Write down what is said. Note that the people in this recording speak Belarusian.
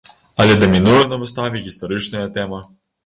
Але дамінуе на выставе гістарычная тэма.